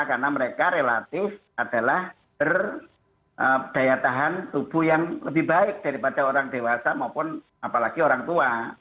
karena mereka relatif adalah berdaya tahan tubuh yang lebih baik daripada orang dewasa maupun apalagi orang tua